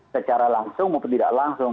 secara langsung maupun tidak langsung